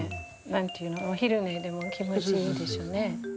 何て言うの？お昼寝でも気持ちいいでしょうね。